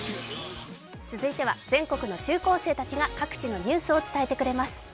続いては全国の中高生たちが各地のニュースを伝えてくれます。